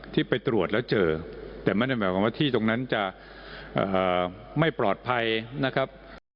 ที่ไปตรวจแล้วเจอแต่ไม่ได้หมายความว่าที่ตรงนั้นจะไม่ปลอดภัยนะครับ